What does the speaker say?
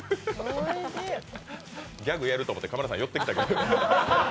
ギャグやると思ってカメラさん寄ってきたけど。